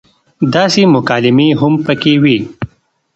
داسې مکالمې هم پکې وې